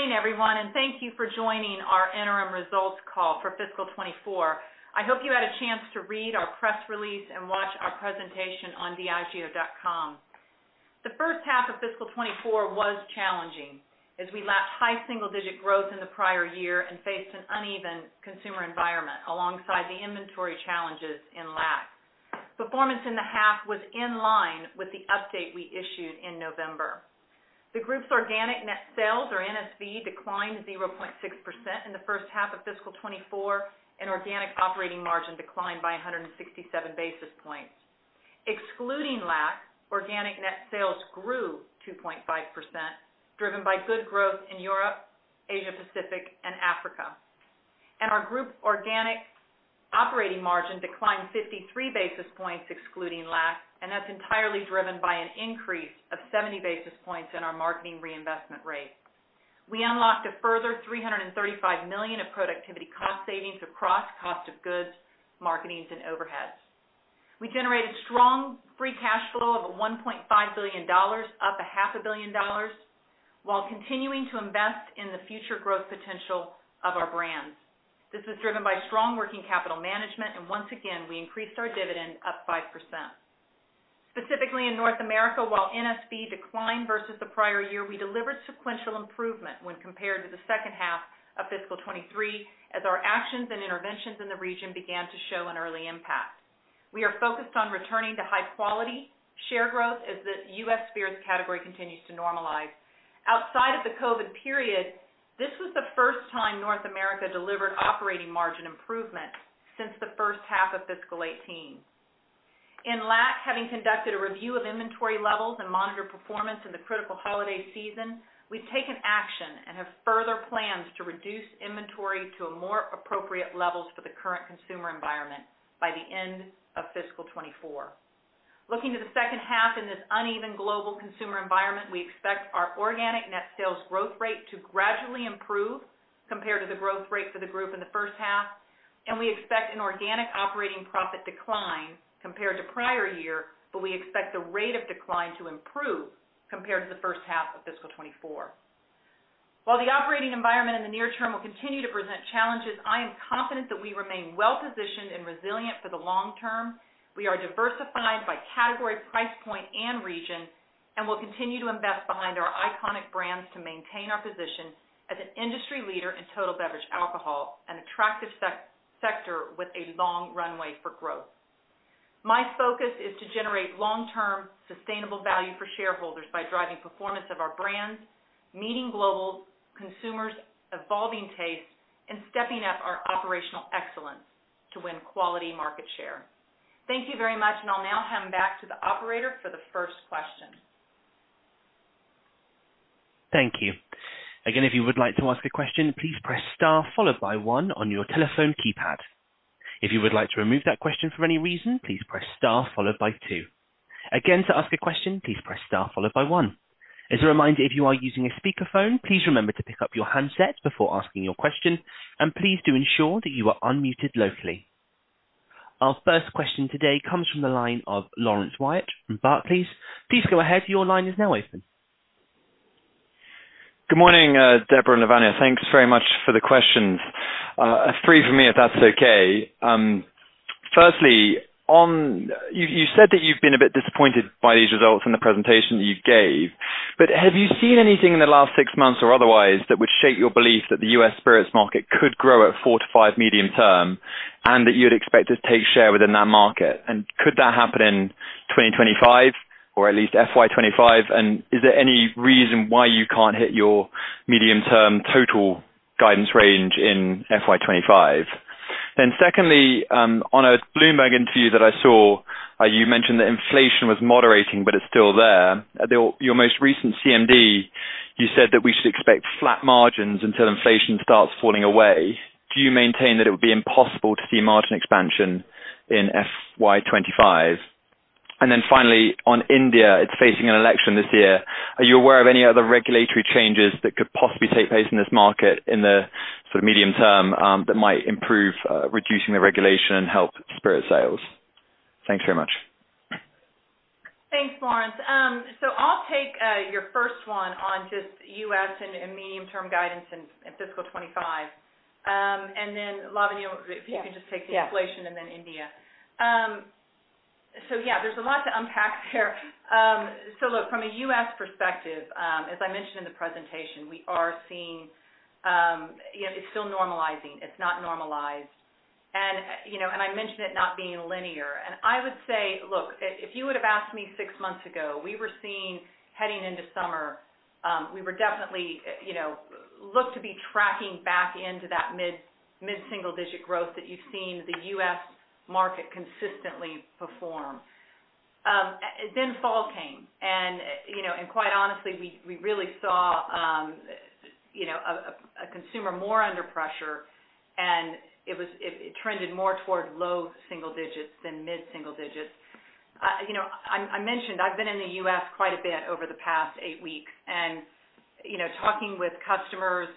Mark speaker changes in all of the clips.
Speaker 1: Good morning, everyone, and thank you for joining our interim results call for fiscal 2024. I hope you had a chance to read our press release and watch our presentation on diageo.com. The first half of fiscal 2024 was challenging, as we lapped high single-digit growth in the prior year and faced an uneven consumer environment alongside the inventory challenges in LAC. Performance in the half was in line with the update we issued in November. The group's organic net sales, or NSV, declined 0.6% in the first half of fiscal 2024, and organic operating margin declined by 167 basis points. Excluding LAC, organic net sales grew 2.5%, driven by good growth in Europe, Asia Pacific, and Africa. Our group organic operating margin declined 53 basis points, excluding LAC, and that's entirely driven by an increase of 70 basis points in our marketing reinvestment rate. We unlocked a further $335 million of productivity cost savings across cost of goods, marketing, and overheads. We generated strong free cash flow of $1.5 billion, up $0.5 billion, while continuing to invest in the future growth potential of our brands. This is driven by strong working capital management, and once again, we increased our dividend up 5%. Specifically in North America, while NSV declined versus the prior year, we delivered sequential improvement when compared to the second half of fiscal 2023, as our actions and interventions in the region began to show an early impact. We are focused on returning to high-quality share growth as the U.S. spirits category continues to normalize. Outside of the COVID period, this was the first time North America delivered operating margin improvement since the first half of fiscal 2018. In LAC, having conducted a review of inventory levels and monitored performance in the critical holiday season, we've taken action and have further plans to reduce inventory to a more appropriate levels for the current consumer environment by the end of fiscal 2024. Looking to the second half in this uneven global consumer environment, we expect our organic net sales growth rate to gradually improve compared to the growth rate for the group in the first half, and we expect an organic operating profit decline compared to prior year, but we expect the rate of decline to improve compared to the first half of fiscal 2024. While the operating environment in the near term will continue to present challenges, I am confident that we remain well positioned and resilient for the long term. We are diversified by category, price point, and region, and we'll continue to invest behind our iconic brands to maintain our position as an industry leader in total beverage alcohol, an attractive sector with a long runway for growth. My focus is to generate long-term, sustainable value for shareholders by driving performance of our brands, meeting global consumers' evolving tastes, and stepping up our operational excellence to win quality market share. Thank you very much, and I'll now hand back to the operator for the first question.
Speaker 2: Thank you. Again, if you would like to ask a question, please press star followed by one on your telephone keypad. If you would like to remove that question for any reason, please press star followed by two. Again, to ask a question, please press star followed by one. As a reminder, if you are using a speakerphone, please remember to pick up your handset before asking your question, and please do ensure that you are unmuted locally. Our first question today comes from the line of Laurence Whyatt from Barclays. Please go ahead. Your line is now open.
Speaker 3: Good morning, Debra and Lavanya. Thanks very much for the questions. Three for me, if that's okay. Firstly, on, you, you said that you've been a bit disappointed by these results in the presentation that you gave, but have you seen anything in the last six months or otherwise that would shape your belief that the U.S. spirits market could grow at 4-5 medium term, and that you'd expect to take share within that market? And could that happen in 2025 or at least FY 2025? And is there any reason why you can't hit your medium-term total guidance range in FY 2025? Then secondly, on a Bloomberg interview that I saw, you mentioned that inflation was moderating, but it's still there. At your, your most recent CMD, you said that we should expect flat margins until inflation starts falling away. Do you maintain that it would be impossible to see margin expansion in FY 2025? And then finally, on India, it's facing an election this year. Are you aware of any other regulatory changes that could possibly take place in this market in the sort of medium term, that might improve, reducing the regulation and help spirits sales? Thanks very much.
Speaker 1: Thanks, Laurence. So I'll take your first one on just U.S. and medium-term guidance in fiscal 2025. And then, Lavanya, if you can just take the inflation.
Speaker 4: Yeah.
Speaker 1: And then India. So yeah, there's a lot to unpack there. So look, from a U.S. perspective, as I mentioned in the presentation, we are seeing, you know, it's still normalizing. It's not normalized. And, you know, and I mentioned it not being linear, and I would say, look, if you would have asked me six months ago, we were seeing, heading into summer, we were definitely, you know, looked to be tracking back into that mid-single-digit growth that you've seen the U.S. market consistently perform. Then fall came, and, you know, and quite honestly, we really saw, you know, a consumer more under pressure, and it was. It trended more toward low single digits than mid single digits. You know, I mentioned I've been in the U.S. quite a bit over the past eight weeks, and, you know, talking with customers.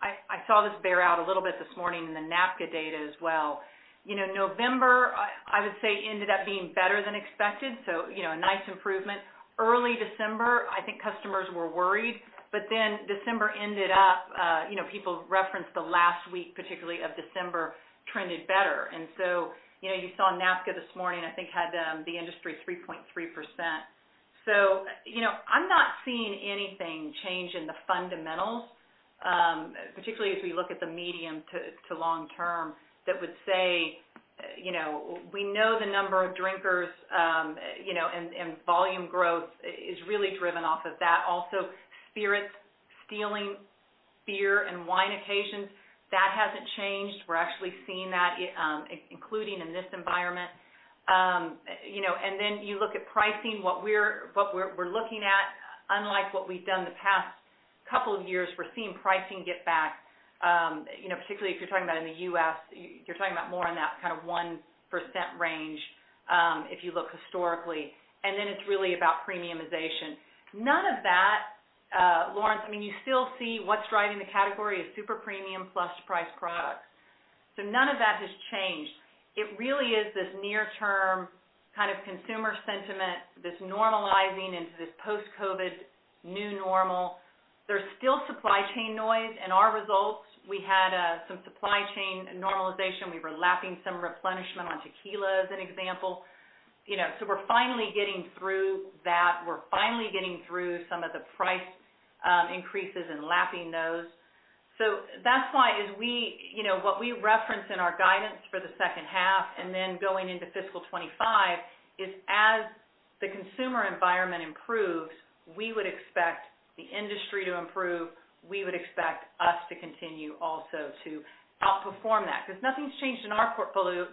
Speaker 1: I saw this bear out a little bit this morning in the NABCA data as well. You know, November, I would say, ended up being better than expected, so, you know, a nice improvement. Early December, I think customers were worried, but then December ended up, you know, people referenced the last week, particularly, of December trended better. And so, you know, you saw NABCA this morning, I think, had the industry 3.3%. So, you know, I'm not seeing anything change in the fundamentals, particularly as we look at the medium to long term, that would say, you know, we know the number of drinkers, you know, and volume growth is really driven off of that. Also, spirits stealing beer and wine occasions, that hasn't changed. We're actually seeing that, including in this environment. You know, and then you look at pricing, what we're looking at, unlike what we've done the past couple of years, we're seeing pricing get back, you know, particularly if you're talking about in the U.S., you're talking about more on that kind of 1% range, if you look historically, and then it's really about premiumization. None of that, Laurence, I mean, you still see what's driving the category is Super Premium Plus price products. So none of that has changed. It really is this near term kind of consumer sentiment, this normalizing into this post-COVID new normal. There's still supply chain noise. In our results, we had some supply chain normalization. We were lapping some replenishment on tequila, as an example. You know, so we're finally getting through that. We're finally getting through some of the price increases and lapping those. So that's why, you know, what we reference in our guidance for the second half, and then going into fiscal 2025, is as the consumer environment improves, we would expect the industry to improve. We would expect us to continue also to outperform that because nothing's changed in our portfolio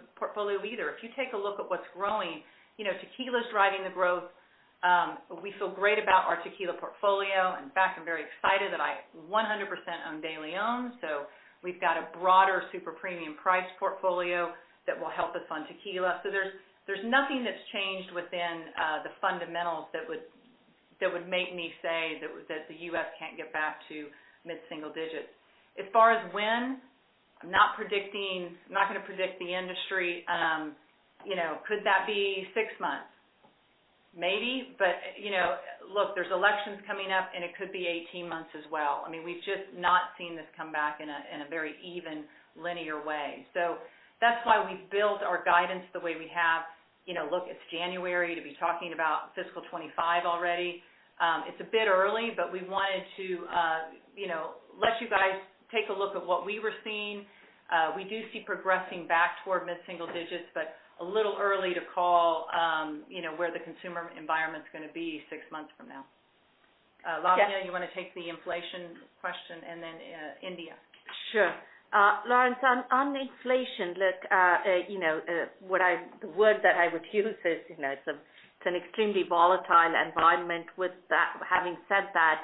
Speaker 1: either. If you take a look at what's growing, you know, tequila is driving the growth. We feel great about our tequila portfolio. In fact, I'm very excited that I 100% own DeLeón, so we've got a broader super premium price portfolio that will help us on tequila. So there's nothing that's changed within the fundamentals that would make me say that the U.S. can't get back to mid-single digits. As far as when, I'm not predicting. I'm not gonna predict the industry. You know, could that be six months? Maybe, but you know, look, there's elections coming up, and it could be 18 months as well. I mean, we've just not seen this come back in a very even linear way. So that's why we've built our guidance the way we have. You know, look, it's January to be talking about fiscal 2025 already. It's a bit early, but we wanted to, you know, let you guys take a look at what we were seeing. We do see progressing back toward mid-single digits, but a little early to call, you know, where the consumer environment's gonna be six months from now. Lavanya.
Speaker 4: Yes.
Speaker 1: Do you want to take the inflation question and then, India?
Speaker 4: Sure. Laurence, on, on inflation, look, you know, what I- the word that I would use is, you know, it's a, it's an extremely volatile environment. With that, having said that,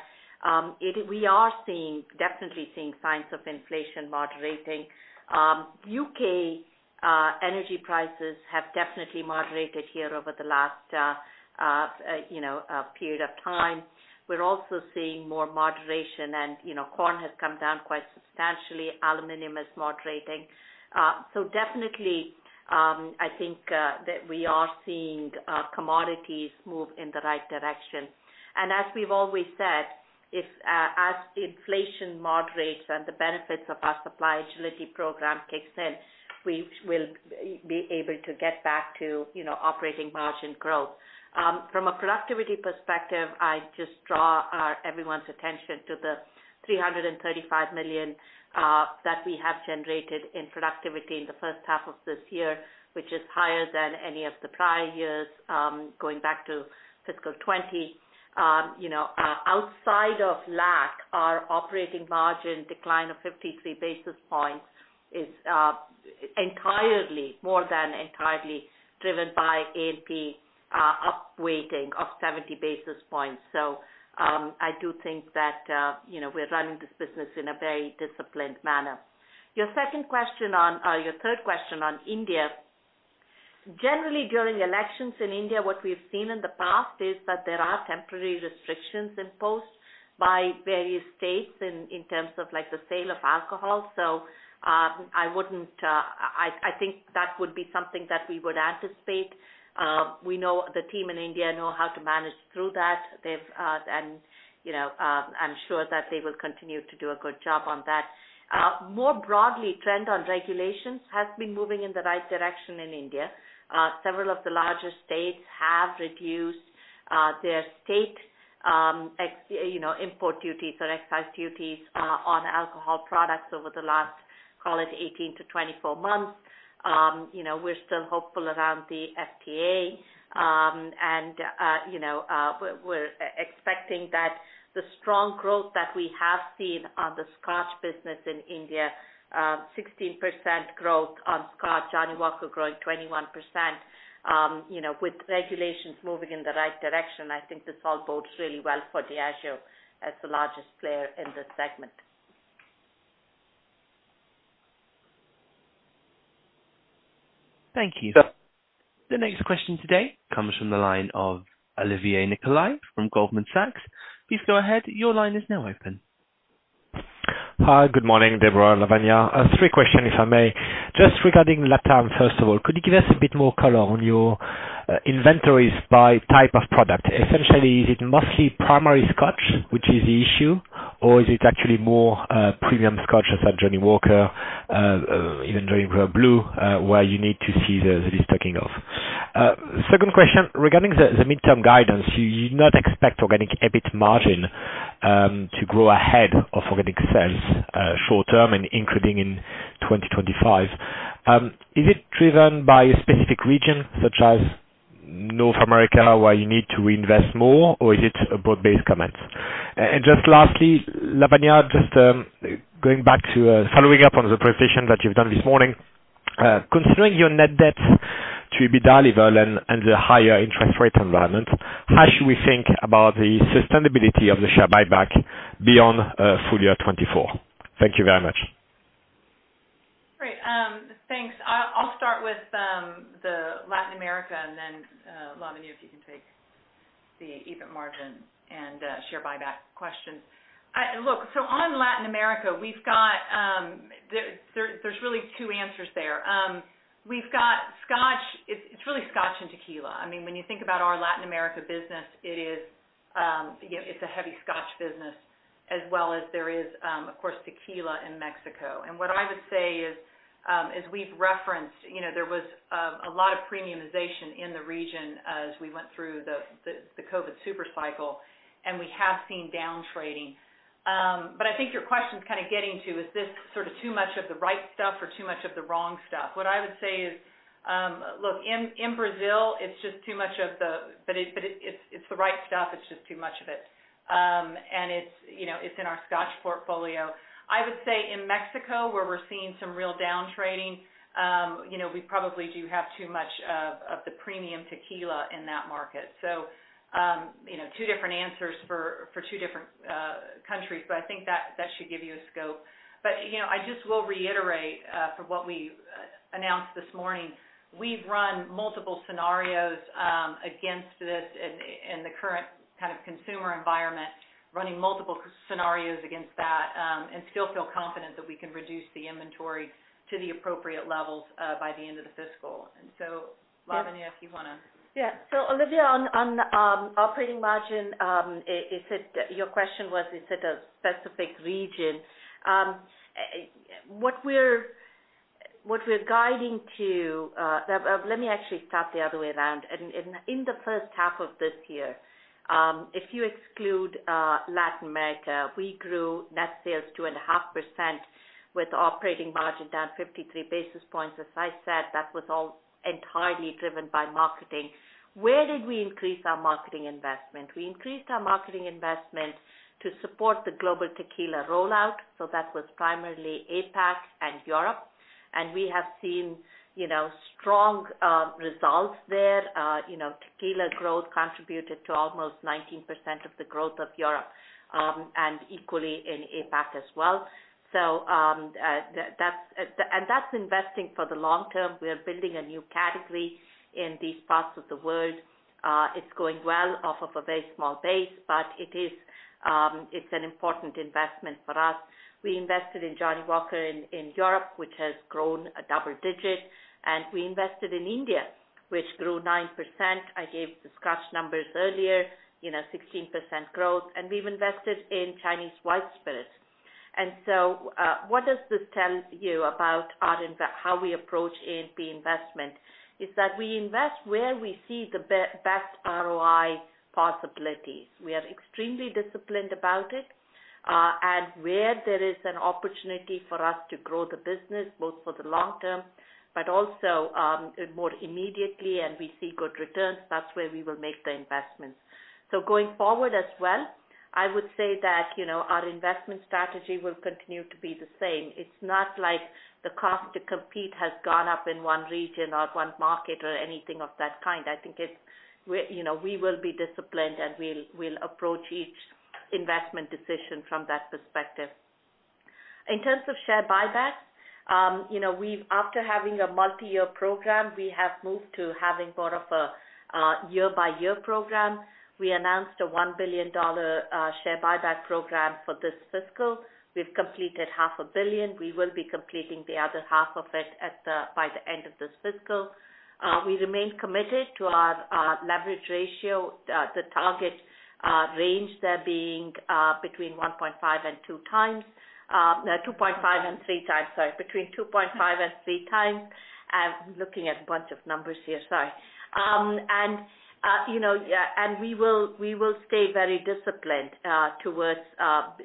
Speaker 4: we are seeing, definitely seeing signs of inflation moderating. U.K. energy prices have definitely moderated here over the last, you know, period of time. We're also seeing more moderation, and, you know, corn has come down quite substantially. Aluminum is moderating. So definitely, I think that we are seeing commodities move in the right direction. And as we've always said, if as inflation moderates and the benefits of our Supply Agility Program kicks in, we will be able to get back to, you know, operating margin growth. From a productivity perspective, I just draw everyone's attention to the $335 million that we have generated in productivity in the first half of this year, which is higher than any of the prior years, going back to fiscal 2020. You know, outside of LAC, our operating margin decline of 53 basis points is entirely, more than entirely driven by A&P, upweighting of 70 basis points. So, I do think that, you know, we're running this business in a very disciplined manner. Your second question on, your third question on India. Generally, during elections in India, what we've seen in the past is that there are temporary restrictions imposed by various states in terms of, like, the sale of alcohol. So, I wouldn't, I, I think that would be something that we would anticipate. We know, the team in India know how to manage through that. They've, and, you know, I'm sure that they will continue to do a good job on that. More broadly, trend on regulations has been moving in the right direction in India. Several of the larger states have reduced, their state, you know, import duties or excise duties, on alcohol products over the last, call it, 18-24 months. You know, we're still hopeful around the FTA. And, you know, we're expecting that the strong growth that we have seen on the Scotch business in India, 16% growth on Scotch, Johnnie Walker growing 21%, you know, with regulations moving in the right direction, I think this all bodes really well for Diageo as the largest player in this segment.
Speaker 2: Thank you. The next question today comes from the line of Olivier Nicolaï from Goldman Sachs. Please go ahead. Your line is now open.
Speaker 5: Hi, good morning, Debra and Lavanya. Three questions, if I may. Just regarding LatAm, first of all, could you give us a bit more color on your inventories by type of product? Essentially, is it mostly primary Scotch, which is the issue, or is it actually more premium Scotch, such as Johnnie Walker, even Johnnie Walker Blue, where you need to see the de-stocking of? Second question, regarding the midterm guidance, you do not expect organic EBIT margin to grow ahead of organic sales short term and including in 2025. Is it driven by a specific region, such as North America, where you need to invest more, or is it a broad-based comment? And just lastly, Lavanya, just going back to following up on the presentation that you've done this morning. Considering your Net Debt to EBITDA level and the higher interest rate environment, how should we think about the sustainability of the share buyback beyond full year 2024? Thank you very much.
Speaker 1: Great. Thanks. I'll start with the Latin America, and then, Lavanya, if you can take the EBIT margin and share buyback questions. Look, so on Latin America, we've got. There's really two answers there. We've got Scotch. It's really Scotch and tequila. I mean, when you think about our Latin America business, it is, you know, it's a heavy Scotch business as well as there is, of course, tequila in Mexico. And what I would say is, as we've referenced, you know, there was a lot of premiumization in the region as we went through the COVID super cycle, and we have seen down trading. But I think your question's kind of getting to, is this sort of too much of the right stuff or too much of the wrong stuff? What I would say is, look, in Brazil, it's just too much of the. But it, it's the right stuff, it's just too much of it. And it's, you know, it's in our Scotch portfolio. I would say in Mexico, where we're seeing some real down trading, you know, we probably do have too much of the premium tequila in that market. So, you know, two different answers for two different countries, but I think that should give you a scope. But, you know, I just will reiterate, from what we announced this morning, we've run multiple scenarios against this in the current kind of consumer environment, running multiple scenarios against that, and still feel confident that we can reduce the inventory to the appropriate levels by the end of the fiscal. And so, Lavanya, if you wanna-
Speaker 4: Yeah. So Olivier, on operating margin, is it—your question was, is it a specific region? What we're guiding to, let me actually start the other way around. In the first half of this year, if you exclude Latin America, we grew net sales 2.5%, with operating margin down 53 basis points. As I said, that was all entirely driven by marketing. Where did we increase our marketing investment? We increased our marketing investment to support the global tequila rollout, so that was primarily APAC and Europe. And we have seen, you know, strong results there. You know, tequila growth contributed to almost 19% of the growth of Europe, and equally in APAC as well. So, that's, and that's investing for the long term. We are building a new category in these parts of the world. It's going well off of a very small base, but it is, it's an important investment for us. We invested in Johnnie Walker in Europe, which has grown double-digit, and we invested in India, which grew 9%. I gave the Scotch numbers earlier, you know, 16% growth, and we've invested in Chinese white spirits. And so, what does this tell you about our invest, how we approach A&P investment? Is that we invest where we see the best ROI possibilities. We are extremely disciplined about it, and where there is an opportunity for us to grow the business, both for the long term, but also, more immediately, and we see good returns, that's where we will make the investments. So going forward as well, I would say that, you know, our investment strategy will continue to be the same. It's not like the cost to compete has gone up in one region or one market or anything of that kind. I think it's, we're, you know, we will be disciplined, and we'll, we'll approach each investment decision from that perspective. In terms of share buyback, you know, we've, after having a multi-year program, we have moved to having more of a year-by-year program. We announced a $1 billion share buyback program for this fiscal. We've completed $500 million. We will be completing the other half of it by the end of this fiscal. We remain committed to our leverage ratio, the target range there being between 1.5 and 2 times, 2.5 and 3 times, sorry, between 2.5 and 3 times. I'm looking at a bunch of numbers here, sorry. And you know, yeah, and we will, we will stay very disciplined towards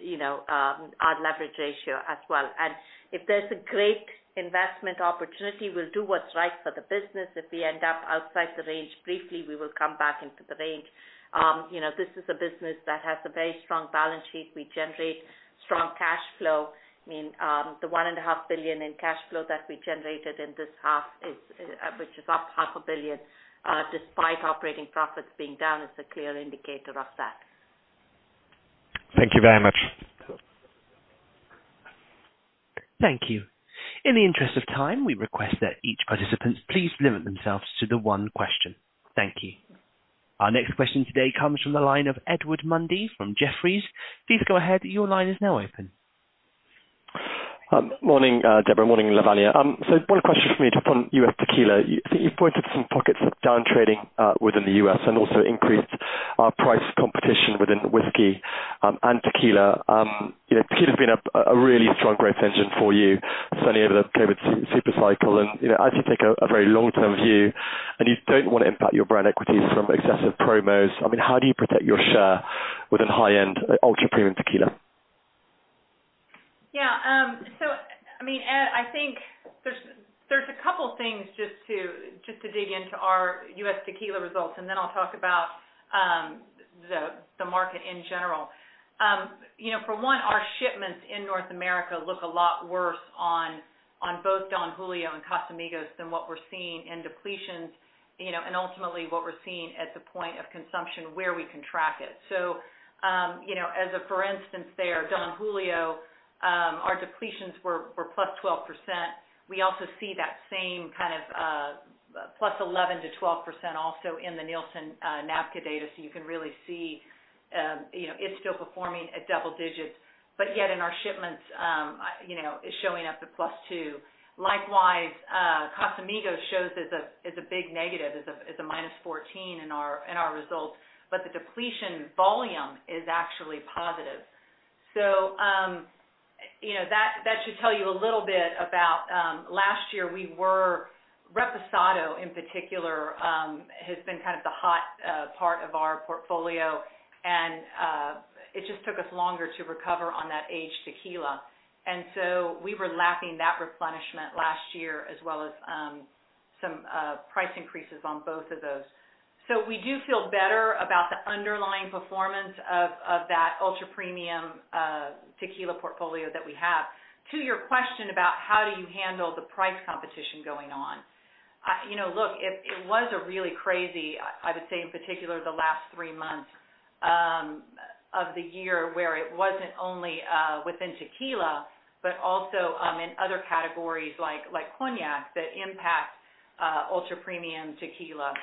Speaker 4: you know our leverage ratio as well. And if there's a great investment opportunity, we'll do what's right for the business. If we end up outside the range briefly, we will come back into the range. You know, this is a business that has a very strong balance sheet. We generate strong cash flow. I mean, the $1.5 billion in cash flow that we generated in this half, which is up $0.5 billion despite operating profits being down, is a clear indicator of that.
Speaker 5: Thank you very much.
Speaker 2: Thank you. In the interest of time, we request that each participant please limit themselves to the one question. Thank you. Our next question today comes from the line of Edward Mundy from Jefferies. Please go ahead. Your line is now open.
Speaker 6: Morning, Debra, morning, Lavanya. So one question for me to upon U.S. tequila. You, you pointed to some pockets of downtrading within the U.S. and also increased price competition within whiskey and tequila. You know, tequila has been a, a really strong growth engine for you, certainly over the COVID super cycle, and, you know, as you take a, a very long-term view, and you don't want to impact your brand equities from excessive promos, I mean, how do you protect your share within high-end, ultra-premium tequila?
Speaker 1: Yeah, so I mean, Ed, I think there's a couple things just to dig into our U.S. tequila results, and then I'll talk about the market in general. You know, for one, our shipments in North America look a lot worse on both Don Julio and Casamigos than what we're seeing in depletions, you know, and ultimately what we're seeing at the point of consumption where we can track it. So, you know, as a for instance, Don Julio, our depletions were +12%. We also see that same kind of plus 11%-12% also in the Nielsen NABCA data, so you can really see, you know, it's still performing at double digits, but yet in our shipments, you know, it's showing up to plus 2%. Likewise, Casamigos shows as a big negative, as a -14% in our results, but the depletion volume is actually positive. So, you know, that should tell you a little bit about last year Reposado, in particular, has been kind of the hot part of our portfolio, and it just took us longer to recover on that aged tequila. And so we were lapping that replenishment last year as well as some price increases on both of those. So we do feel better about the underlying performance of that ultra-premium tequila portfolio that we have. To your question about how do you handle the price competition going on? You know, look, it was a really crazy. I would say, in particular, the last three months of the year, where it wasn't only within tequila, but also in other categories like cognac that impact ultra-premium tequila.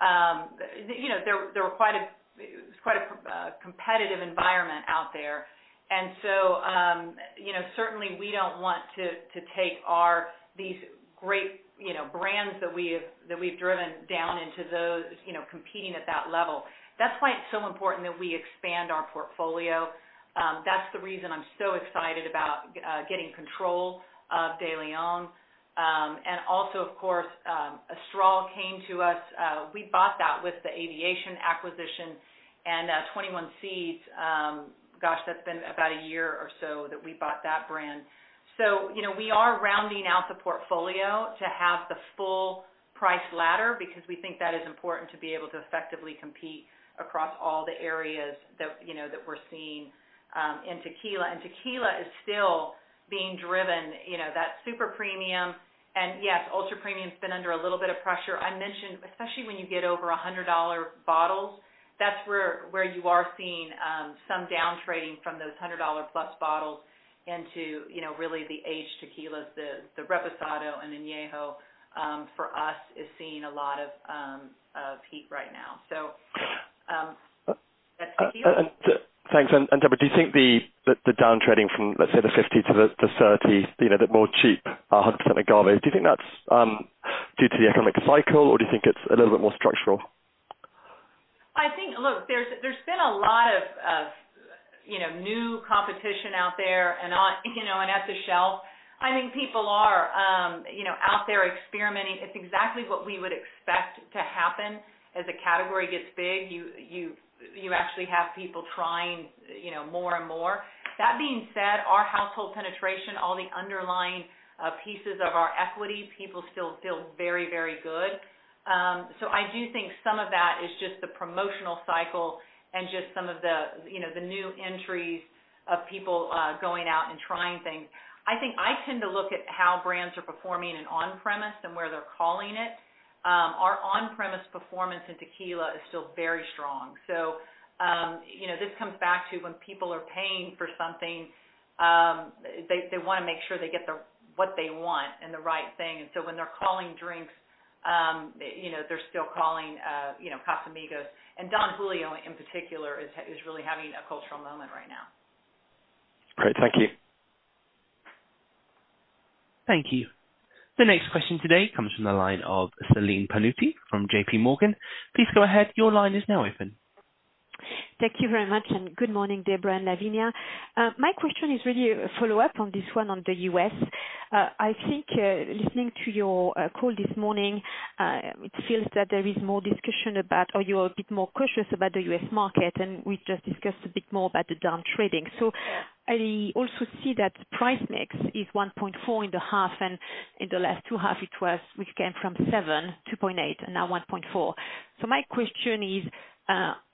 Speaker 1: You know, there were quite a competitive environment out there, and so, you know, certainly we don't want to take our these great, you know, brands that we've driven down into those, you know, competing at that level. That's why it's so important that we expand our portfolio. That's the reason I'm so excited about getting control of DeLeón. And also, of course, Astral came to us. We bought that with the Aviation acquisition, and 21Seeds, that's been about a year or so that we bought that brand. So, you know, we are rounding out the portfolio to have the full price ladder, because we think that is important to be able to effectively compete across all the areas that, you know, that we're seeing in tequila. And tequila is still being driven, you know, that super premium and yes, ultra-premium's been under a little bit of pressure. I mentioned, especially when you get over $100 bottles, that's where you are seeing some down trading from those $100-plus bottles into, you know, really the aged tequilas, the Reposado and the Añejo, for us, is seeing a lot of heat right now. So, that's tequila.
Speaker 6: Thanks. Debra, do you think the downtrading from, let's say, the $50 to the $30, you know, the more cheap 100% agave, do you think that's due to the economic cycle, or do you think it's a little bit more structural?
Speaker 1: I think. Look, there's been a lot of, you know, new competition out there and on, you know, at the shelf. I mean, people are, you know, out there experimenting. It's exactly what we would expect to happen. As the category gets big, you actually have people trying, you know, more and more. That being said, our household penetration, all the underlying pieces of our equity, people still feel very, very good. So I do think some of that is just the promotional cycle and just some of the, you know, the new entries of people going out and trying things. I think I tend to look at how brands are performing in on-premise and where they're calling it. Our on-premise performance in tequila is still very strong. So, you know, this comes back to when people are paying for something, they, they wanna make sure they get the, what they want and the right thing. And so when they're calling drinks, you know, they're still calling, you know, Casamigos, and Don Julio in particular is, is really having a cultural moment right now.
Speaker 6: Great. Thank you.
Speaker 2: Thank you. The next question today comes from the line of Celine Pannuti from JP Morgan. Please go ahead. Your line is now open.
Speaker 7: Thank you very much, and good morning, Debra and Lavanya. My question is really a follow-up on this one on the U.S. I think, listening to your call this morning, it feels that there is more discussion about, or you're a bit more cautious about the U.S market, and we just discussed a bit more about the downtrading. So I also see that price mix is 1.4% in the half, and in the last two half, it was, which came from 7% to 0.8% and now 1.4%. So my question is,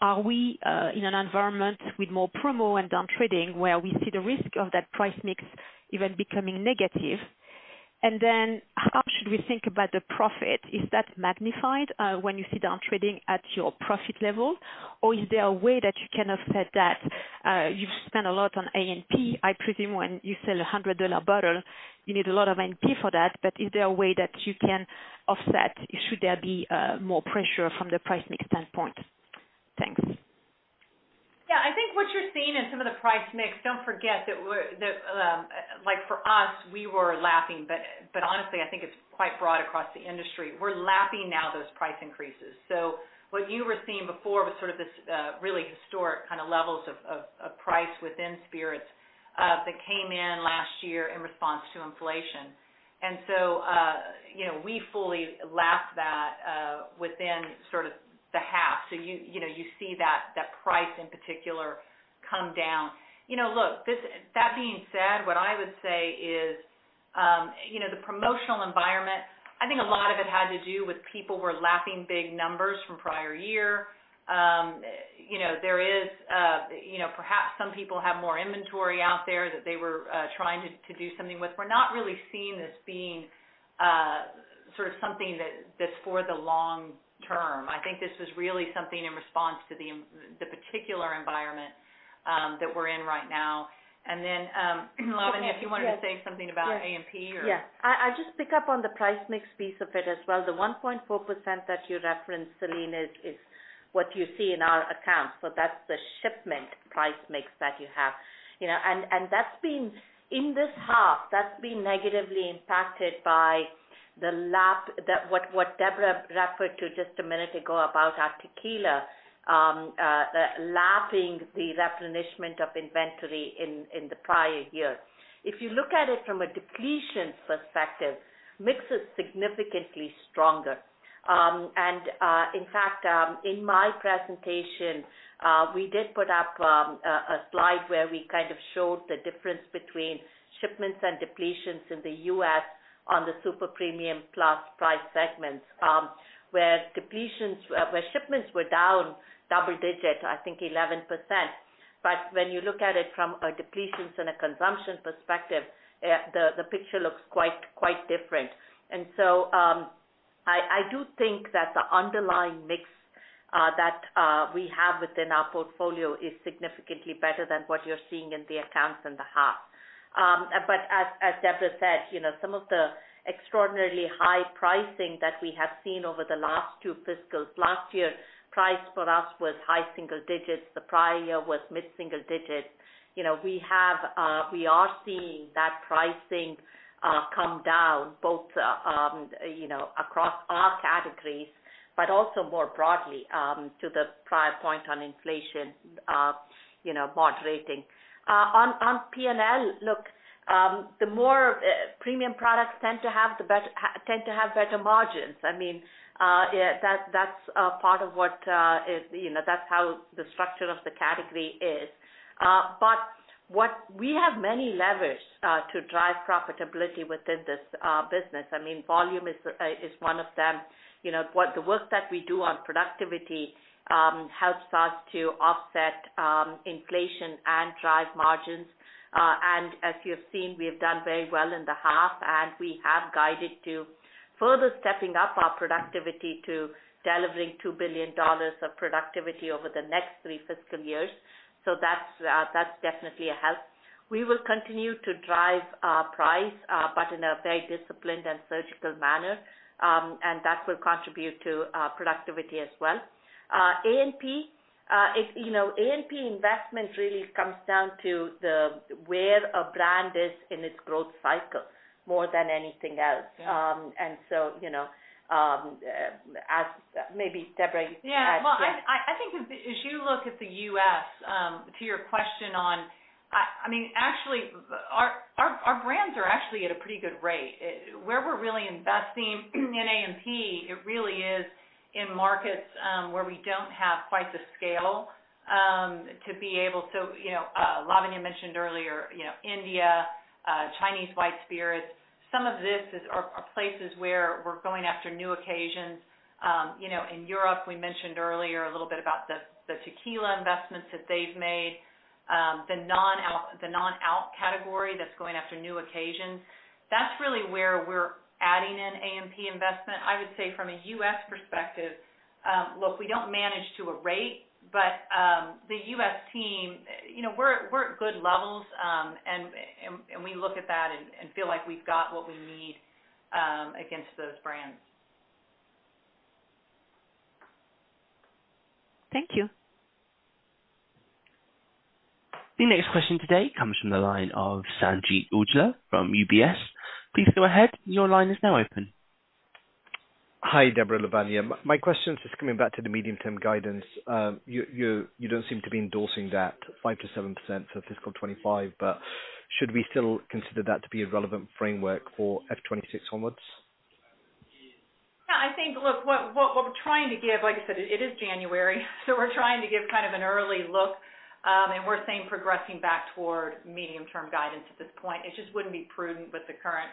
Speaker 7: are we in an environment with more promo and downtrading, where we see the risk of that price mix even becoming negative? And then how should we think about the profit? Is that magnified, when you see down trading at your profit level? Or is there a way that you can offset that? You've spent a lot on A&P. I presume when you sell a $100 bottle, you need a lot of A&P for that, but is there a way that you can offset? Should there be more pressure from the price mix standpoint? Thanks.
Speaker 1: Yeah, I think what you're seeing in some of the price mix. Don't forget that that, like, for us, we were lapping, but honestly, I think it's quite broad across the industry. We're lapping now those price increases. So what you were seeing before was sort of this really historic kind of levels of price within spirits that came in last year in response to inflation. And so, you know, we fully lapped that within sort of the half. So you know, you see that price in particular come down. You know, look, that being said, what I would say is, you know, the promotional environment. I think a lot of it had to do with people were lapping big numbers from prior year. You know, there is, you know, perhaps some people have more inventory out there that they were trying to do something with. We're not really seeing this being sort of something that's for the long term. I think this is really something in response to the particular environment that we're in right now. And then, Lavanya, if you wanted to say something about A&P or-
Speaker 4: Yes. I just pick up on the price mix piece of it as well. The 1.4% that you referenced, Celine, is what you see in our accounts, so that's the shipment price mix that you have. You know, and that's been, in this half, that's been negatively impacted by the, what Debra referred to just a minute ago about our tequila, the lapping, the replenishment of inventory in the prior year. If you look at it from a depletion perspective, mix is significantly stronger. And, in fact, in my presentation, we did put up a slide where we kind of showed the difference between shipments and depletions in the U.S. on the Super Premium Plus price segments, where depletions, where shipments were down double-digit, I think 11%. But when you look at it from a depletions and a consumption perspective, the picture looks quite different. And so, I do think that the underlying mix that we have within our portfolio is significantly better than what you're seeing in the accounts in the half. But as Debra said, you know, some of the extraordinarily high pricing that we have seen over the last two fiscals, last year, price for us was high single digits, the prior year was mid-single digits. You know, we are seeing that pricing come down both, you know, across our categories, but also more broadly, to the prior point on inflation, you know, moderating. On P&L, look, the more premium products tend to have better margins. I mean, yeah, that's, that's part of what is, you know, that's how the structure of the category is. But what we have many levers to drive profitability within this business. I mean, volume is one of them. You know, what the work that we do on productivity helps us to offset inflation and drive margins. And as you have seen, we have done very well in the half, and we have guided to further stepping up our productivity to delivering $2 billion of productivity over the next three fiscal years. So that's definitely a help. We will continue to drive price, but in a very disciplined and surgical manner, and that will contribute to productivity as well. A&P, it's, you know, A&P investment really comes down to where a brand is in its growth cycle more than anything else. you know, as maybe Debra, you can add.
Speaker 1: Yeah. Well, I think as you look at the U.S., to your question on... I mean, actually, our brands are actually at a pretty good rate. Where we're really investing in A&P, it really is in markets where we don't have quite the scale to be able to, you know, Lavanya mentioned earlier, you know, India, Chinese white spirits. Some of this are places where we're going after new occasions. You know, in Europe, we mentioned earlier a little bit about the tequila investments that they've made, the non-alc category that's going after new occasions. That's really where we're adding in A&P investment. I would say from a U.S. perspective, look, we don't manage to a rate, but the U.S. team, you know, we're at good levels, and we look at that and feel like we've got what we need against those brands.
Speaker 7: Thank you.
Speaker 2: The next question today comes from the line of Sanjeet Aujla from UBS. Please go ahead. Your line is now open.
Speaker 8: Hi, Debra and Lavanya. My question is just coming back to the medium-term guidance. You don't seem to be endorsing that 5%-7% for fiscal 2025, but should we still consider that to be a relevant framework for fiscal 2026 onwards?
Speaker 1: Yeah, I think, look, what, what we're trying to give, like I said, it is January, so we're trying to give kind of an early look. And we're saying progressing back toward medium-term guidance at this point. It just wouldn't be prudent with the current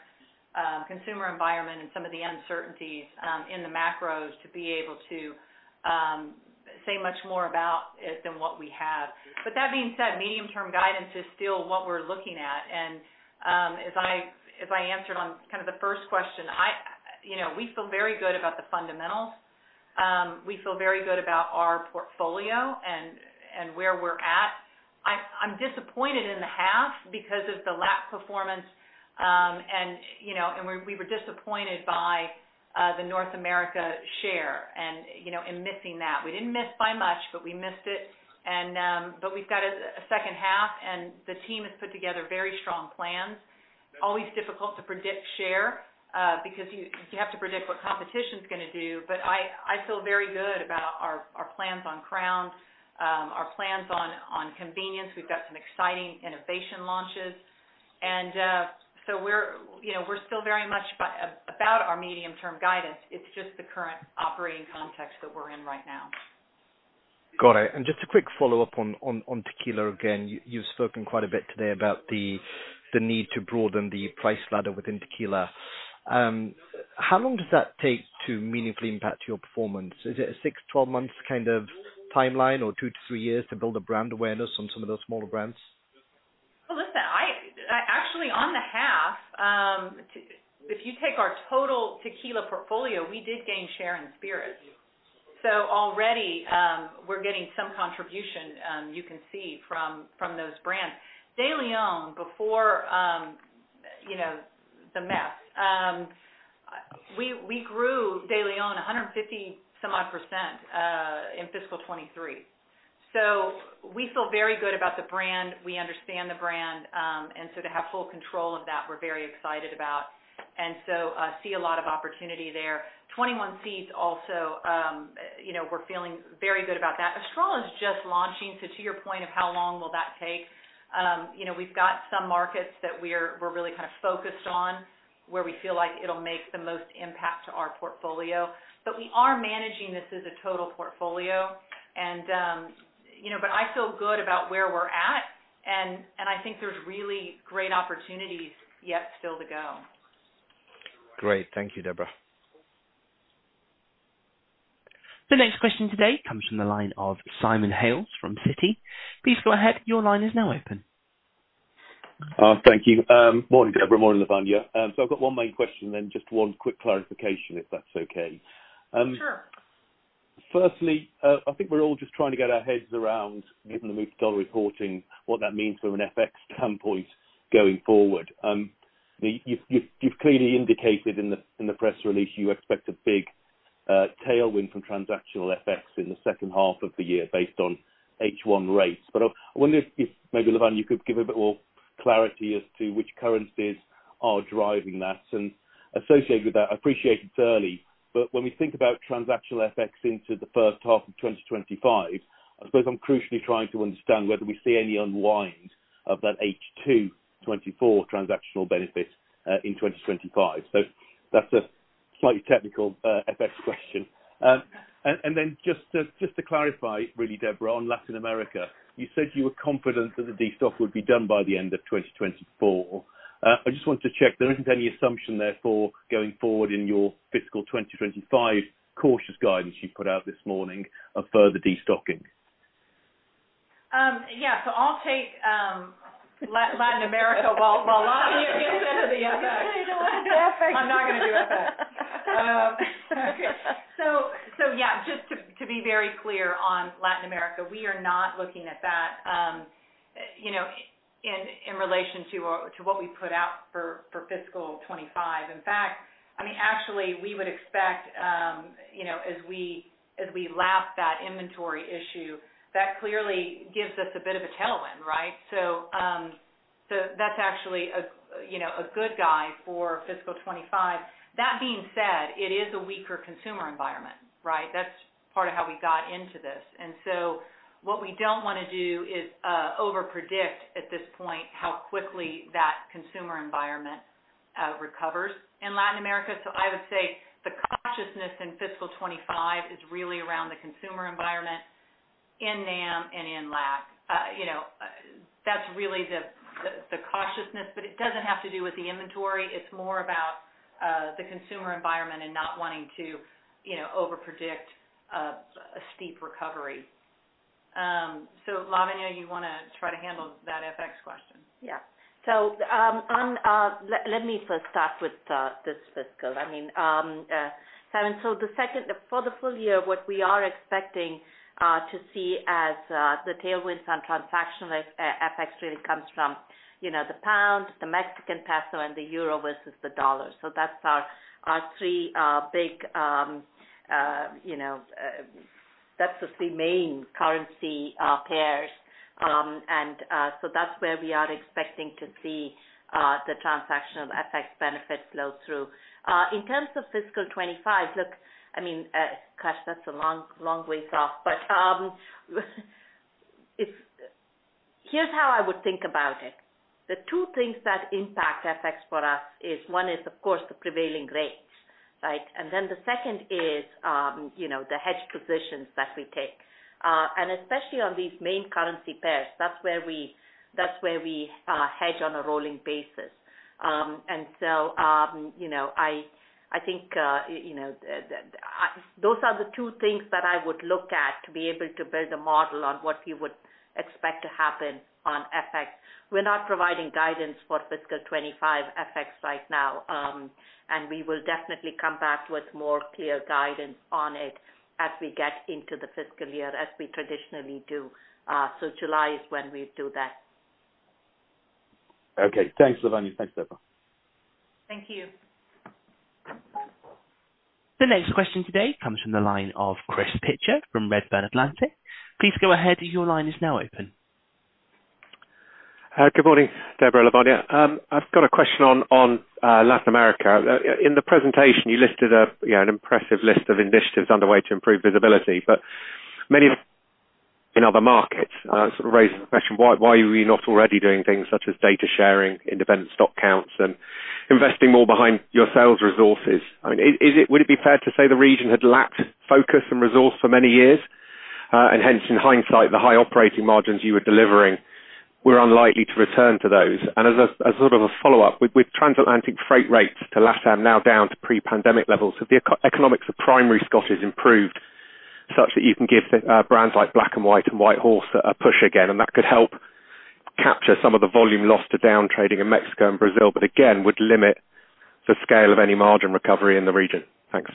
Speaker 1: consumer environment and some of the uncertainties in the macros to be able to say much more about it than what we have. But that being said, medium-term guidance is still what we're looking at. And as I answered on kind of the first question, I, you know, we feel very good about the fundamentals. We feel very good about our portfolio and where we're at. I'm disappointed in the half because of the LAC performance, and you know, and we were disappointed by the North America share and you know, in missing that. We didn't miss by much, but we missed it. But we've got a second half, and the team has put together very strong plans. Always difficult to predict share, because you have to predict what competition's gonna do. But I feel very good about our plans on Crown, our plans on convenience. We've got some exciting innovation launches, and so we're you know, we're still very much bullish about our medium-term guidance. It's just the current operating context that we're in right now.
Speaker 8: Got it. And just a quick follow-up on tequila again. You've spoken quite a bit today about the need to broaden the price ladder within tequila. How long does that take to meaningfully impact your performance? Is it a 6-12 months kind of timeline, or 2-3 years to build brand awareness on some of those smaller brands?
Speaker 1: Well, listen, actually, on the half, if you take our total tequila portfolio, we did gain share in spirits. So already, we're getting some contribution, you can see from those brands. DeLeón, before, you know, the mess, we grew DeLeón 150% or so in fiscal 2023. So we feel very good about the brand. We understand the brand. And so to have full control of that, we're very excited about, and so see a lot of opportunity there. 21Seeds also, you know, we're feeling very good about that. Astral is just launching, so to your point of how long will that take? You know, we've got some markets that we're really kind of focused on, where we feel like it'll make the most impact to our portfolio. But we are managing this as a total portfolio, and, you know, but I feel good about where we're at, and I think there's really great opportunities yet still to go.
Speaker 8: Great. Thank you, Debra.
Speaker 2: The next question today comes from the line of Simon Hales from Citi. Please go ahead. Your line is now open.
Speaker 9: Thank you. Morning, Debra. Morning, Lavanya. So I've got one main question, then just one quick clarification, if that's okay.
Speaker 1: Sure.
Speaker 9: Firstly, I think we're all just trying to get our heads around, given the move to dollar reporting, what that means from an FX standpoint going forward. The, you've clearly indicated in the press release, you expect a big tailwind from transactional FX in the second half of the year, based on H1 rates. But I wonder if maybe, Lavanya, you could give a bit more clarity as to which currencies are driving that. And associated with that, I appreciate it's early, but when we think about transactional FX into the first half of 2025, I suppose I'm crucially trying to understand whether we see any unwind of that H2 2024 transactional benefit in 2025. So that's a slightly technical FX question. And then, just to clarify, really, Debra, on Latin America, you said you were confident that the destock would be done by the end of 2024. I just wanted to check there isn't any assumption, therefore, going forward in your fiscal 2025 cautious guidance you've put out this morning of further destocking?
Speaker 1: Yeah. So I'll take Latin America while Lavanya, you get to the FX.
Speaker 4: FX.
Speaker 1: I'm not gonna do FX. So yeah, just to be very clear on Latin America, we are not looking at that, you know, in relation to what we put out for fiscal 2025. In fact, I mean, actually, we would expect, you know, as we lap that inventory issue, that clearly gives us a bit of a tailwind, right? So that's actually a, you know, a good guy for fiscal 2025. That being said, it is a weaker consumer environment, right? That's part of how we got into this. So what we don't wanna do is overpredict, at this point, how quickly that consumer environment recovers in Latin America. So I would say the cautiousness in fiscal 2025 is really around the consumer environment in NAM and in LAC. You know, that's really the cautiousness, but it doesn't have to do with the inventory. It's more about the consumer environment and not wanting to, you know, overpredict a steep recovery. So Lavanya, you wanna try to handle that FX question?
Speaker 4: Yeah. So, on... Let me first start with this fiscal. I mean, Simon, so the second- for the full year, what we are expecting to see as the tailwinds on transactional FX really comes from, you know, the pound, the Mexican peso, and the euro versus the dollar. So that's our three big, you know, that's the three main currency pairs. And so that's where we are expecting to see the transactional FX benefit flow through. In terms of fiscal 2025, look, I mean, gosh, that's a long, long ways off, but, if- Here's how I would think about it. The two things that impact FX for us is, one is, of course, the prevailing rates, right? Then the second is, you know, the hedge positions that we take. And especially on these main currency pairs, that's where we hedge on a rolling basis. And so, you know, I think, you know, those are the two things that I would look at to be able to build a model on what you would expect to happen on FX. We're not providing guidance for fiscal 2025 FX right now, and we will definitely come back with more clear guidance on it as we get into the fiscal year as we traditionally do. So July is when we do that.
Speaker 9: Okay. Thanks, Lavanya. Thanks, Debra.
Speaker 1: Thank you.
Speaker 2: The next question today comes from the line of Chris Pitcher from Redburn Atlantic. Please go ahead. Your line is now open.
Speaker 10: Good morning, Debra and Lavanya. I've got a question on Latin America. In the presentation, you listed a, you know, an impressive list of initiatives underway to improve visibility, but many in other markets sort of raises the question, why are we not already doing things such as data sharing, independent stock counts, and investing more behind your sales resources? I mean, is it- would it be fair to say the region had lacked focus and resource for many years, and hence, in hindsight, the high operating margins you were delivering were unlikely to return to those? As sort of a follow-up, with transatlantic freight rates to LatAm now down to pre-pandemic levels, have the economics of primary Scotches improved such that you can give brands like Black & White and White Horse a push again, and that could help capture some of the volume lost to down trading in Mexico and Brazil, but again, would limit the scale of any margin recovery in the region? Thanks.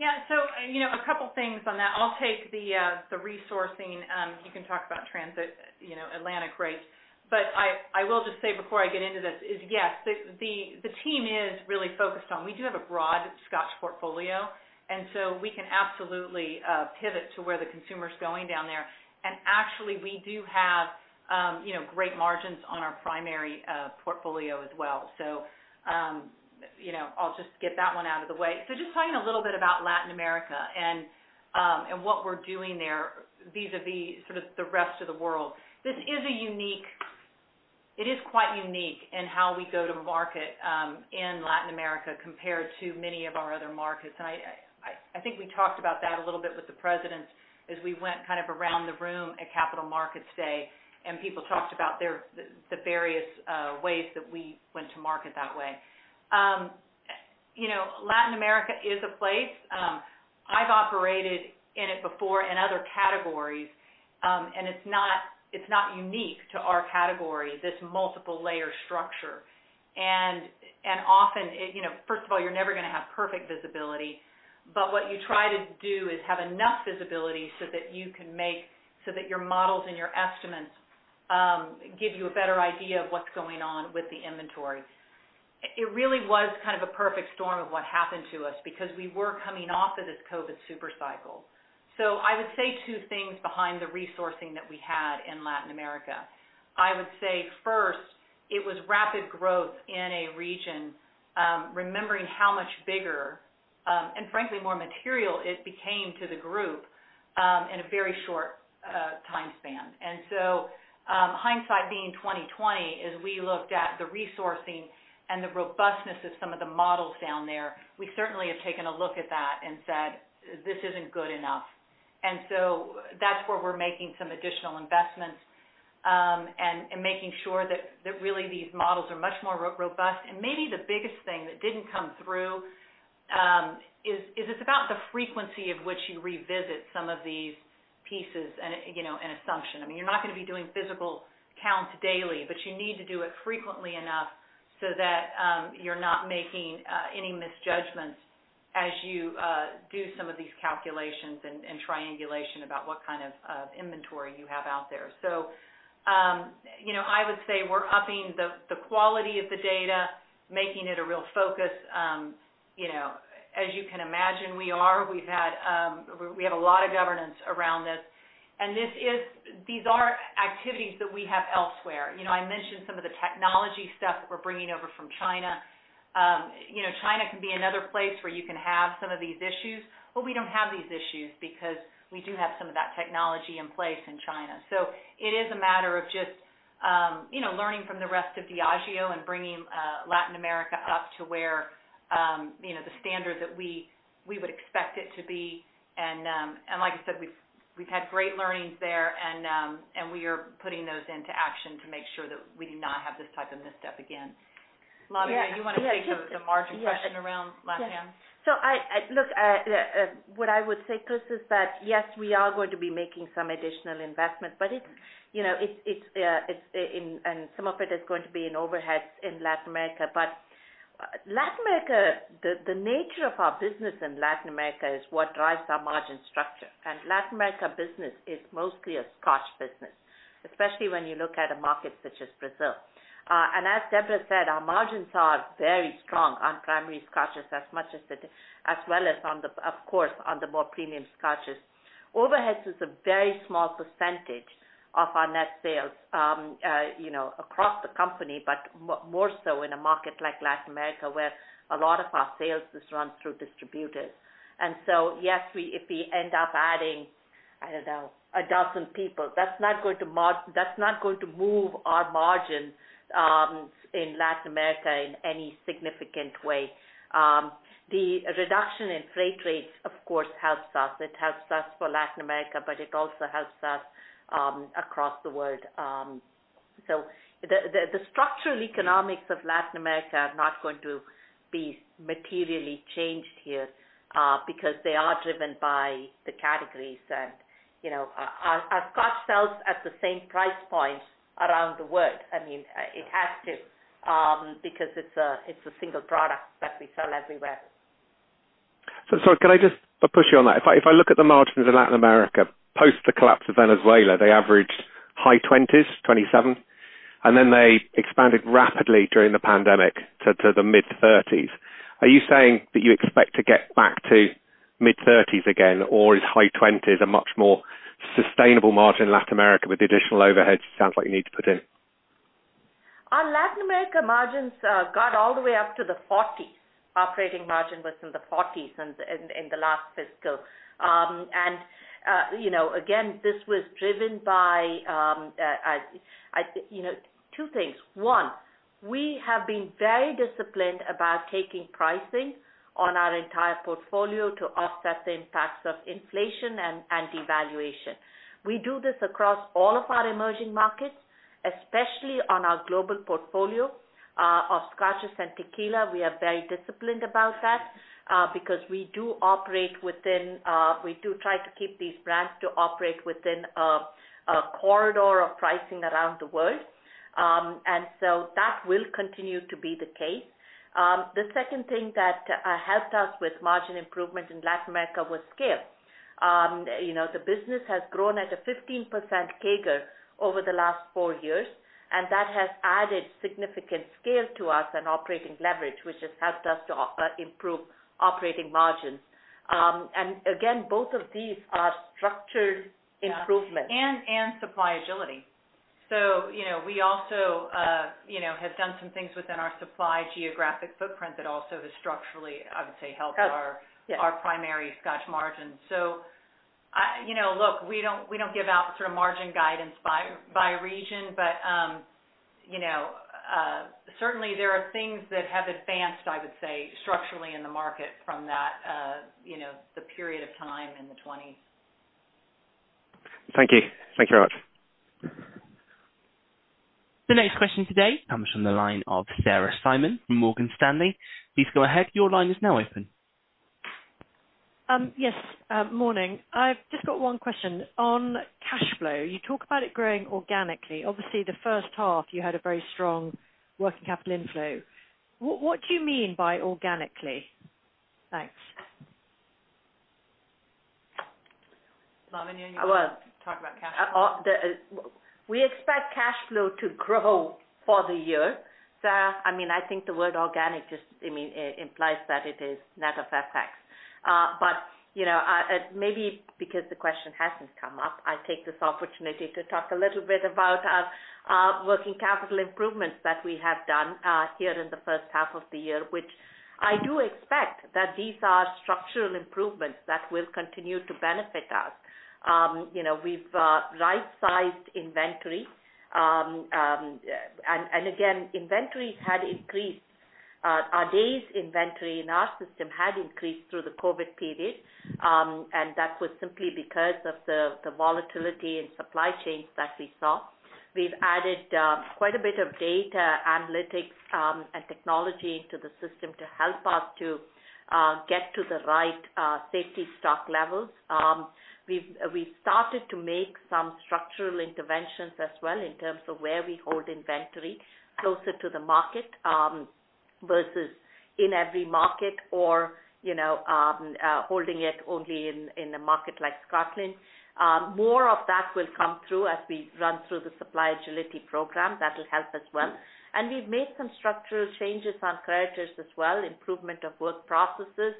Speaker 1: Yeah. So, you know, a couple things on that. I'll take the, the resourcing, you can talk about transit, you know, Atlantic rates. But I will just say before I get into this is, yes, the team is really focused on. We do have a broad Scotch portfolio, and so we can absolutely, pivot to where the consumer's going down there. And actually, we do have, you know, great margins on our primary, portfolio as well. So, you know, I'll just get that one out of the way. So just talking a little bit about Latin America and, and what we're doing there, vis-à-vis sort of the rest of the world. This is a unique, it is quite unique in how we go to market, in Latin America compared to many of our other markets. I think we talked about that a little bit with the presidents as we went kind of around the room at Capital Markets Day, and people talked about their various ways that we went to market that way. You know, Latin America is a place I've operated in it before in other categories, and it's not unique to our category, this multiple layer structure. And often, you know, first of all, you're never gonna have perfect visibility, but what you try to do is have enough visibility so that you can make so that your models and your estimates give you a better idea of what's going on with the inventory. It really was kind of a perfect storm of what happened to us because we were coming off of this COVID super cycle. So I would say two things behind the resourcing that we had in Latin America. I would say, first, it was rapid growth in a region, remembering how much bigger, and frankly, more material it became to the group, in a very short time span. And so, hindsight being 2020, as we looked at the resourcing and the robustness of some of the models down there, we certainly have taken a look at that and said, "This isn't good enough." And so that's where we're making some additional investments, and making sure that really these models are much more robust. And maybe the biggest thing that didn't come through is it's about the frequency of which you revisit some of these pieces and, you know, and assumption. I mean, you're not gonna be doing physical counts daily, but you need to do it frequently enough so that you're not making any misjudgments as you do some of these calculations and triangulation about what kind of inventory you have out there. So, you know, I would say we're upping the quality of the data, making it a real focus. You know, as you can imagine, we have a lot of governance around this, and these are activities that we have elsewhere. You know, I mentioned some of the technology stuff that we're bringing over from China. You know, China can be another place where you can have some of these issues, but we don't have these issues because we do have some of that technology in place in China. So it is a matter of just, you know, learning from the rest of Diageo and bringing Latin America up to where, you know, the standard that we would expect it to be. And like I said, we've had great learnings there, and we are putting those into action to make sure that we do not have this type of misstep again. Lavanya, do you want to take the margin question around LatAm?
Speaker 4: So, look, what I would say, Chris, is that, yes, we are going to be making some additional investment, but it's, you know, it's, it's, and some of it is going to be in overheads in Latin America. But Latin America, the nature of our business in Latin America is what drives our margin structure. And Latin America business is mostly a Scotch business, especially when you look at a market such as Brazil. And as Debra said, our margins are very strong on primary Scotches as much as the, as well as on the, of course, on the more premium Scotches. Overheads is a very small percentage of our net sales, you know, across the company, but more so in a market like Latin America, where a lot of our sales is run through distributors. So, yes, we if we end up adding, I don't know, a dozen people, that's not going to move our margin in Latin America in any significant way. The reduction in freight rates, of course, helps us. It helps us for Latin America, but it also helps us across the world. So the structural economics of Latin America are not going to be materially changed here, because they are driven by the categories. And, you know, our Scotch sells at the same price point around the world. I mean, it has to, because it's a single product that we sell everywhere.
Speaker 10: Can I just push you on that? If I look at the margins in Latin America, post the collapse of Venezuela, they averaged high 20s, 27, and then they expanded rapidly during the pandemic to the mid-30s. Are you saying that you expect to get back to mid-30s again, or is high 20s a much more sustainable margin in Latin America with the additional overheads it sounds like you need to put in?
Speaker 4: Our Latin America margins got all the way up to the forties. Operating margin was in the forties in the last fiscal. And, you know, again, this was driven by, you know, two things. One, we have been very disciplined about taking pricing on our entire portfolio to offset the impacts of inflation and devaluation. We do this across all of our emerging markets, especially on our global portfolio of Scotches and tequila. We are very disciplined about that, because we do operate within... We do try to keep these brands to operate within a corridor of pricing around the world. And so that will continue to be the case. The second thing that helped us with margin improvement in Latin America was scale. You know, the business has grown at a 15% CAGR over the last four years, and that has added significant scale to us and operating leverage, which has helped us to improve operating margins. Again, both of these are structured improvements.
Speaker 1: Yeah. And supply agility. So, you know, we also, you know, have done some things within our supply geographic footprint that also has structurally, I would say, helped our-
Speaker 4: Yes.
Speaker 1: Our primary Scotch margins. So I... You know, look, we don't, we don't give out sort of margin guidance by, by region. But, you know, certainly there are things that have advanced, I would say, structurally in the market from that, you know, the period of time in the twenties.
Speaker 10: Thank you. Thank you very much.
Speaker 2: The next question today comes from the line of Sarah Simon from Morgan Stanley. Please go ahead. Your line is now open.
Speaker 11: Yes, morning. I've just got one question. On cash flow, you talk about it growing organically. Obviously, the first half, you had a very strong working capital inflow. What do you mean by organically? Thanks.
Speaker 1: Lavanya, you want to-
Speaker 4: Well-
Speaker 1: Talk about cash flow?
Speaker 4: We expect cash flow to grow for the year, Sarah. I mean, I think the word organic just, I mean, it implies that it is net of effects. But, you know, maybe because the question hasn't come up, I take this opportunity to talk a little bit about our working capital improvements that we have done here in the first half of the year, which I do expect that these are structural improvements that will continue to benefit us. You know, we've right-sized inventory. And again, inventories had increased, our days inventory in our system had increased through the COVID period, and that was simply because of the volatility in supply chains that we saw. We've added quite a bit of data analytics and technology into the system to help us to get to the right safety stock levels. We've started to make some structural interventions as well in terms of where we hold inventory closer to the market versus in every market or, you know, holding it only in a market like Scotland. More of that will come through as we run through the Supply Agility Program. That will help as well. And we've made some structural changes on creditors as well, improvement of work processes,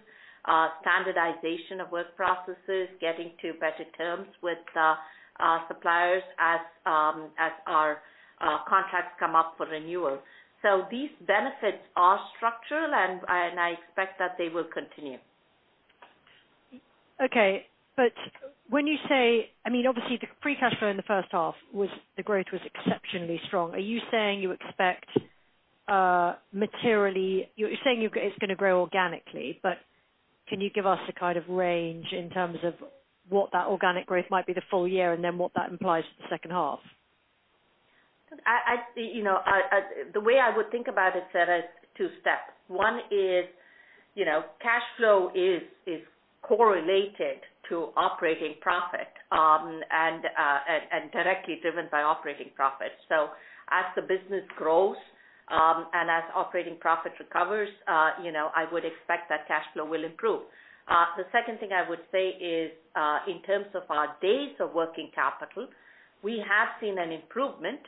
Speaker 4: standardization of work processes, getting to better terms with suppliers as our contracts come up for renewal. So these benefits are structural, and I expect that they will continue.
Speaker 11: Okay, but when you say, I mean, obviously, the free cash flow in the first half was, the growth was exceptionally strong. Are you saying you expect materially? You're saying you're, it's going to grow organically, but can you give us a kind of range in terms of what that organic growth might be the full year, and then what that implies for the second half?
Speaker 4: You know, the way I would think about it, Sarah, is two steps. One is, you know, cash flow is correlated to operating profit, and directly driven by operating profit. So as the business grows, and as operating profit recovers, you know, I would expect that cash flow will improve. The second thing I would say is, in terms of our days of working capital, we have seen an improvement,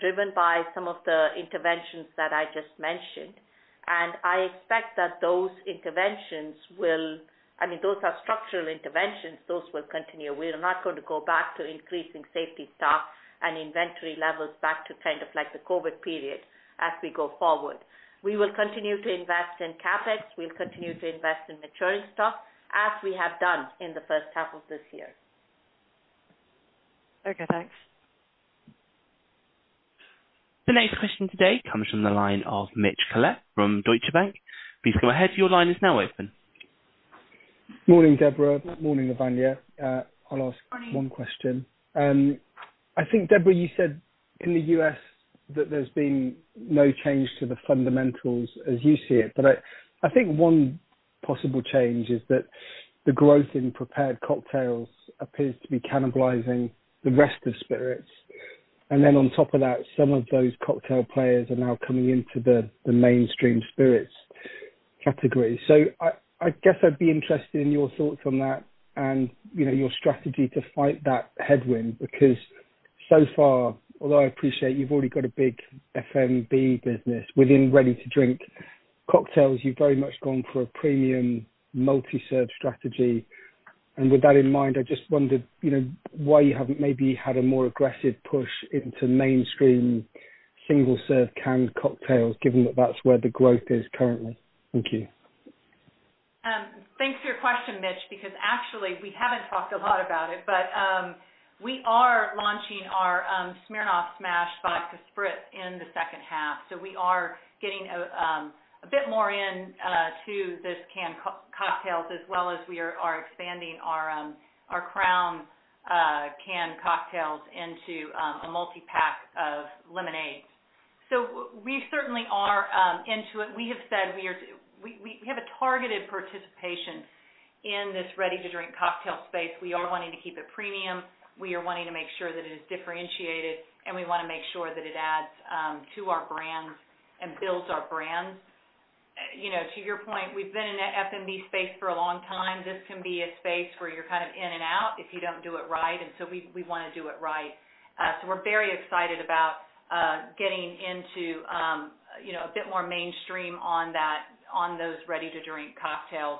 Speaker 4: driven by some of the interventions that I just mentioned, and I expect that those interventions will... I mean, those are structural interventions. Those will continue. We are not going to go back to increasing safety stock and inventory levels back to kind of like the COVID period as we go forward. We will continue to invest in CapEx. We'll continue to invest in maturing stock, as we have done in the first half of this year.
Speaker 11: Okay, thanks.
Speaker 2: The next question today comes from the line of Mitch Collett from Deutsche Bank. Please go ahead. Your line is now open.
Speaker 12: Morning, Debra. Morning, Lavanya. I'll ask one question. I think, Debra, you said in the U.S. that there's been no change to the fundamentals as you see it, but I think one possible change is that the growth in prepared cocktails appears to be cannibalizing the rest of spirits. And then on top of that, some of those cocktail players are now coming into the mainstream spirits category. So I guess I'd be interested in your thoughts on that and, you know, your strategy to fight that headwind, because so far, although I appreciate you've already got a big FMB business within ready to drink cocktails, you've very much gone for a premium multi-serve strategy. With that in mind, I just wondered, you know, why you haven't maybe had a more aggressive push into mainstream single-serve canned cocktails, given that that's where the growth is currently? Thank you.
Speaker 1: Thanks for your question, Mitch, because actually we haven't talked a lot about it, but we are launching our Smirnoff Smash Vodka Spritz in the second half. So we are getting a bit more into this canned cocktails, as well as we are expanding our Crown canned cocktails into a multi-pack of lemonade. So we certainly are into it. We have said we have a targeted participation in this ready-to-drink cocktail space. We are wanting to keep it premium. We are wanting to make sure that it is differentiated, and we wanna make sure that it adds to our brands and builds our brands. You know, to your point, we've been in the FMB space for a long time. This can be a space where you're kind of in and out, if you don't do it right, and so we, we wanna do it right. So we're very excited about getting into, you know, a bit more mainstream on that, on those ready to drink cocktails.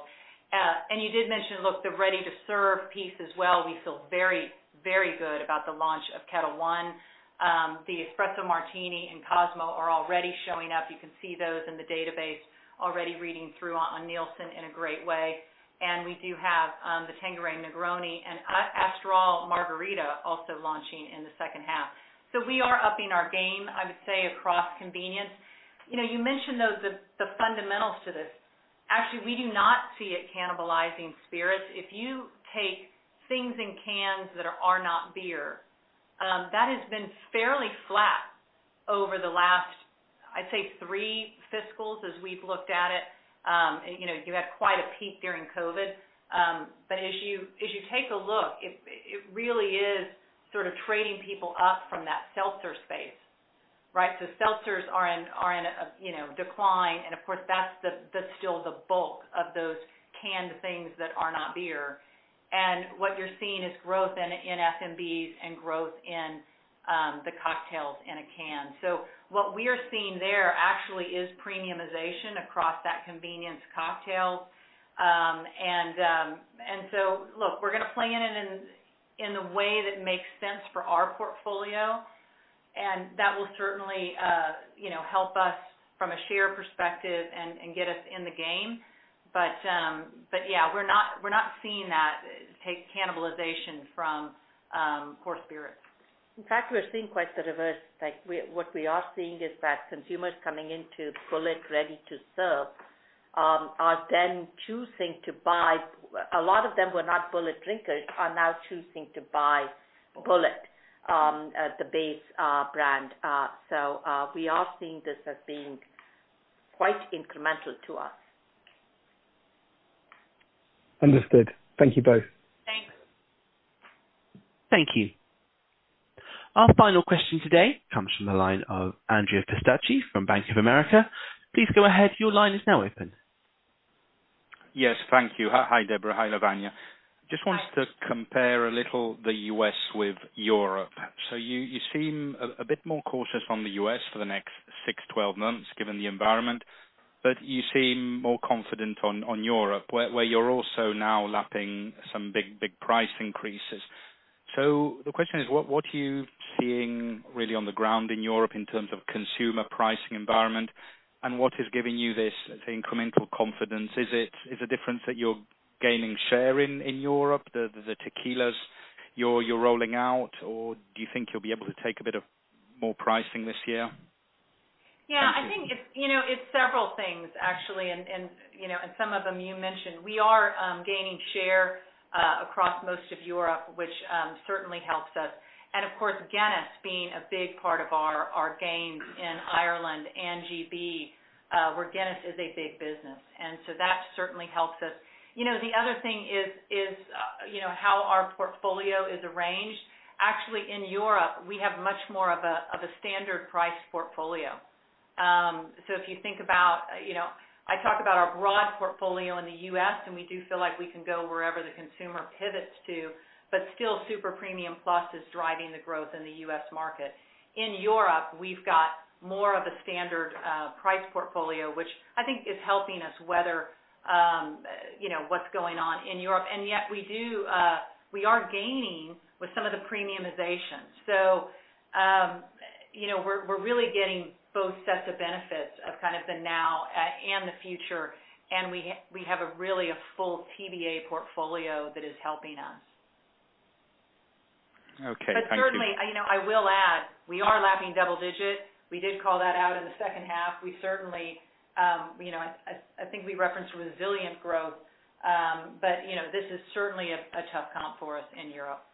Speaker 1: And you did mention, look, the ready to serve piece as well. We feel very, very good about the launch of Ketel One. The Espresso Martini and Cosmo are already showing up. You can see those in the database already reading through on Nielsen in a great way. And we do have the Tanqueray Negroni and Astral Margarita also launching in the second half. So we are upping our game, I would say, across convenience. You know, you mentioned, though, the fundamentals to this. Actually, we do not see it cannibalizing spirits. If you take things in cans that are not beer, that has been fairly flat over the last, I'd say, three fiscals as we've looked at it. You know, you had quite a peak during COVID. But as you take a look, it really is sort of trading people up from that seltzer space, right? So seltzers are in a, you know, decline, and of course, that's still the bulk of those canned things that are not beer. And what you're seeing is growth in FMBs and growth in the cocktails in a can. So what we are seeing there actually is premiumization across that convenience cocktail. Look, we're gonna plan it in the way that makes sense for our portfolio, and that will certainly, you know, help us from a share perspective and get us in the game. But yeah, we're not seeing that take cannibalization from core spirits.
Speaker 4: In fact, we're seeing quite the reverse. Like, what we are seeing is that consumers coming into Bulleit ready to serve are then choosing to buy. A lot of them were not Bulleit drinkers, are now choosing to buy Bulleit, the base brand. So, we are seeing this as being quite incremental to us.
Speaker 12: Understood. Thank you both.
Speaker 1: Thanks.
Speaker 2: Thank you. Our final question today comes from the line of Andrea Pistacchi from Bank of America. Please go ahead. Your line is now open.
Speaker 13: Yes, thank you. Hi, Debra. Hi, Lavanya.
Speaker 1: Hi.
Speaker 13: Just wanted to compare a little, the U.S. with Europe. So you seem a bit more cautious on the U.S. for the next 6-12 months, given the environment, but you seem more confident on Europe, where you're also now lapping some big price increases. So the question is, what are you seeing really on the ground in Europe in terms of consumer pricing environment, and what is giving you this, I think, incremental confidence? Is it the difference that you're gaining share in Europe, the tequilas you're rolling out, or do you think you'll be able to take a bit more pricing this year?
Speaker 1: Yeah.
Speaker 13: Thank you.
Speaker 1: I think it's, you know, it's several things, actually, and, you know, and some of them you mentioned. We are gaining share across most of Europe, which certainly helps us. And of course, Guinness being a big part of our gain in Ireland and GB, where Guinness is a big business, and so that certainly helps us. You know, the other thing is, you know, how our portfolio is arranged. Actually, in Europe, we have much more of a standard price portfolio. So if you think about, you know, I talk about our broad portfolio in the U.S., and we do feel like we can go wherever the consumer pivots to, but still Super Premium Plus is driving the growth in the U.S. market. In Europe, we've got more of a standard price portfolio, which I think is helping us weather, you know, what's going on in Europe. And yet we do, we are gaining with some of the premiumization. So, you know, we're really getting both sets of benefits of kind of the now and the future, and we have a really full TBA portfolio that is helping us.
Speaker 13: Okay, thank you.
Speaker 1: But certainly, you know, I will add, we are lapping double-digit. We did call that out in the second half. We certainly, you know, I think we referenced resilient growth, but, you know, this is certainly a tough comp for us in Europe.